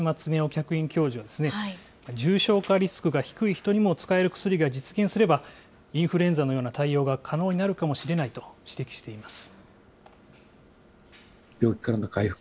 客員教授は、重症化リスクが低い人にも使える薬が実現すれば、インフルエンザのような対応が可能になるかもしれないと指摘しています。